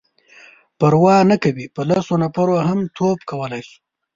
_پروا نه کوي،. په لسو نفرو هم توپ کولای شو.